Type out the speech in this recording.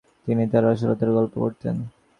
তিনি তার অলসতার গল্প করতেন।